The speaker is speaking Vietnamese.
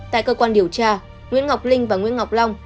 tại cơ quan điều tra nguyễn ngọc linh và nguyễn ngọc long